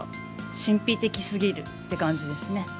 神秘的すぎるって感じですね。